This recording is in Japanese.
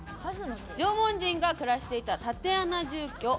縄文人が暮らしていた竪穴住居。